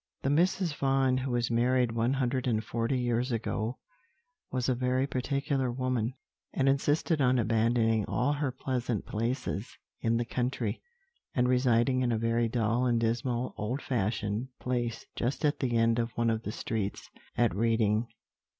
"The Mrs. Vaughan who was married one hundred and forty years ago was a very particular woman, and insisted on abandoning all her pleasant places in the country, and residing in a very dull and dismal old fashioned place just at the end of one of the streets at Reading.